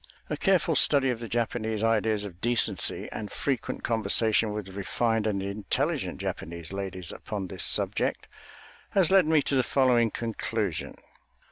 A careful study of the Japanese ideas of decency, and frequent conversation with refined and intelligent Japanese ladies upon this subject, has led me to the following conclusion.